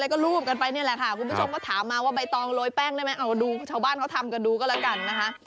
คุณผู้ชมก็ถามมาว่าใบตองโรยแป้งได้ไหมเอาดูชาวบ้านเขาทำกันดูก็แล้วกันนะฮะ